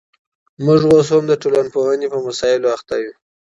موږ اوس هم د ټولنپوهني په مسائل بوخت یو.